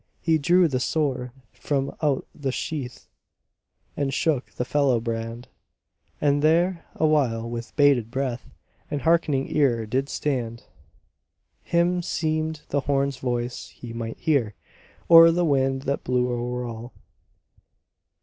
He drew the sword from out the sheath And shook the fallow brand; And there a while with bated breath, And hearkening ear did stand. Him seemed the horn's voice he might hear Or the wind that blew o'er all.